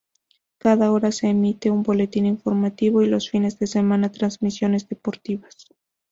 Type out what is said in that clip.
Cada hora se emite un boletín informativo y los fines de semana retransmisiones deportivas.